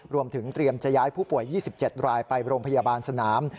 รวมถึงเตรียมจะย้ายผู้ป่วย๒๗รายไปโรงพยาบาลสนาม